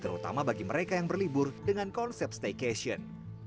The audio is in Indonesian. terutama bagi mereka yang berlibur dengan konsep staycation